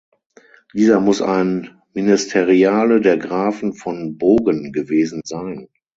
Dieser muss ein Ministeriale der Grafen von Bogen gewesen sein.